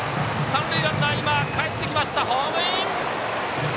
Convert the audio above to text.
三塁ランナーがかえってきてホームイン！